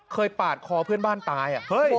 ปาดคอเพื่อนบ้านตาย